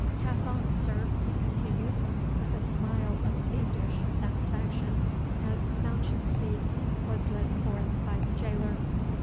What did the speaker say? "Pass on, Sir," he continued, with a smile of fiendish satisfaction, as Mounchensey was led forth by the jailer.